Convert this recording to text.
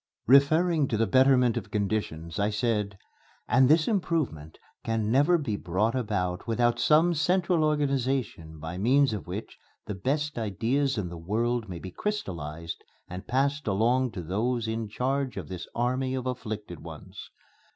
Referring to the betterment of conditions, I said, "And this improvement can never be brought about without some central organization by means of which the best ideas in the world may be crystallized and passed along to those in charge of this army of afflicted ones.